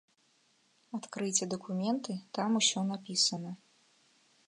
Адкрыйце дакументы, там усё напісана.